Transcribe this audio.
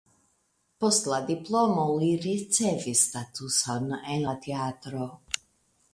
Post la diplomo li ricevis statuson en la teatro.